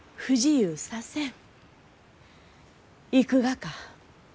行くがか？